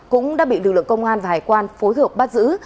cũng đã bị lực lượng công an và hải quan phối hợp bắt giữ